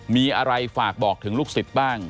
มีอะไรฝากบอกถึงลูกศิษย์บ้าง